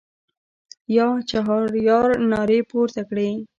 یا چهاریار نارې پورته کړې.